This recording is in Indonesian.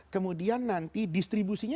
kemudian nanti distribusinya